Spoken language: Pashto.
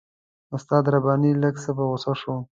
استاد رباني لږ څه په غوسه شو.